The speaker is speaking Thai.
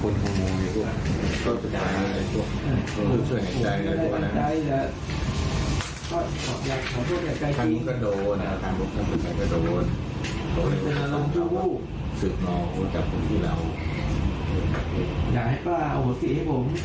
อย่างไรก็เอาสิให้ผม